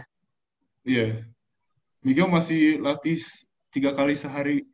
iya miga masih latih tiga kali sehari